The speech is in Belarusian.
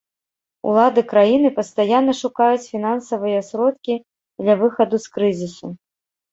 Улады краіны пастаянна шукаюць фінансавыя сродкі для выхаду з крызісу.